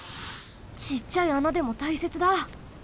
ちっちゃい穴でもたいせつだ！